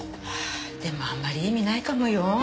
でもあんまり意味ないかもよ。